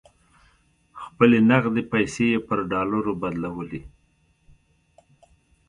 خپلې نغدې پیسې یې پر ډالرو بدلولې.